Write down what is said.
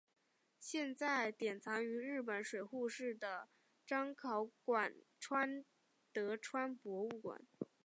现在典藏于日本水户市的彰考馆德川博物馆。